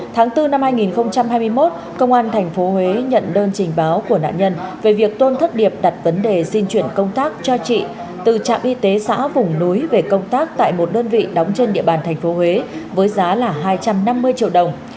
tháng bốn năm hai nghìn hai mươi một công an tp huế nhận đơn trình báo của nạn nhân về việc tôn thất điệp đặt vấn đề xin chuyển công tác cho chị từ trạm y tế xã vùng núi về công tác tại một đơn vị đóng trên địa bàn tp huế với giá là hai trăm năm mươi triệu đồng